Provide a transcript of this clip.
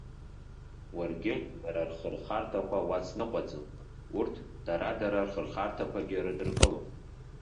Уаргьы дара рхырхырҭа уацныҟәаӡом. Урҭ дара дара рхырхарҭақәагьы рыдыркылом.